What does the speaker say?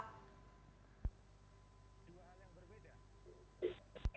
dua hal yang berbeda